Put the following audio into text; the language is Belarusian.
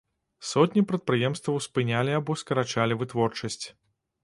Сотні прадпрыемстваў спынялі або скарачалі вытворчасць.